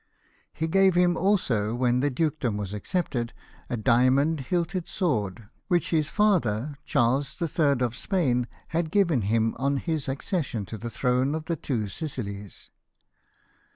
" He gave him also, when the dukedom was accepted, a diamond hilted sword, which his father, Charles III. of Spain, had given him on his accession to the throne of the Two Sicilies.